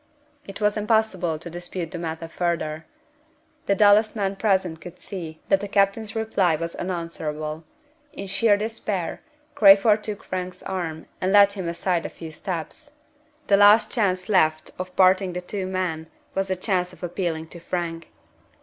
It was impossible to dispute the matter further. The dullest man present could see that the captain's reply was unanswerable. In sheer despair, Crayford took Frank's arm and led him aside a few steps. The last chance left of parting the two men was the chance of appealing to Frank.